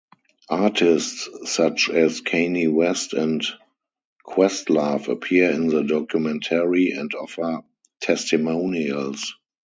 Artists such as Kanye West and Questlove appear in the documentary and offer testimonials.